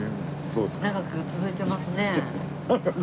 長く続いてますね。